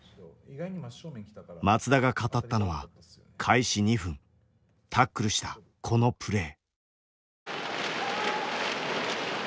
松田が語ったのは開始２分タックルしたこのプレー。